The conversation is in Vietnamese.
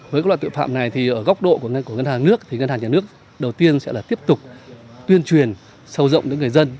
với các loại tội phạm này thì ở góc độ của ngân hàng nước thì ngân hàng nhà nước đầu tiên sẽ là tiếp tục tuyên truyền sâu rộng đến người dân